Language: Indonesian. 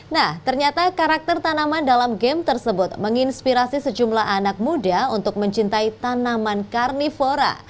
nah ternyata karakter tanaman dalam game tersebut menginspirasi sejumlah anak muda untuk mencintai tanaman karnivora